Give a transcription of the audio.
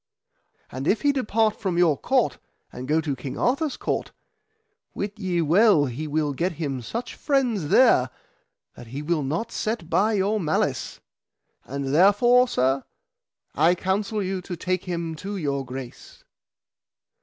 And if he depart from your court and go to King Arthur's court, wit ye well he will get him such friends there that he will not set by your malice. And therefore, sir, I counsel you to take him to your grace.